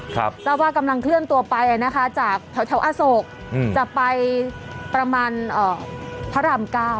แปลว่ากำลังเคลื่อนตัวไปไอ้นะคะจากแถวแถวอโศกจะไปประมาณพระดำเก้า